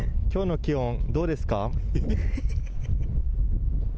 きょうの気温、どうですか？